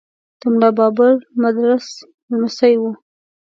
د ملا بابړ مدرس لمسی و.